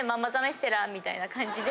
みたいな感じで。